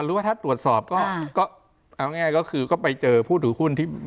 หรือว่าถ้าตรวจสอบก็เอาง่ายก็คือก็ไปเจอผู้ถือหุ้นที่